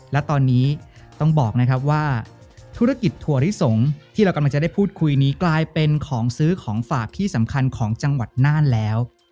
และตอนนี้ต้องบอกนะครับว่าธุรกิจถั่วลิสงที่เรากำลังจะได้พูดคุยนี้กลายเป็นของซื้อของฝากที่สำคัญของจังหวัดน่านแล้ว